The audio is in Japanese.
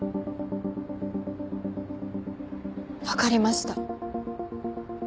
わかりました。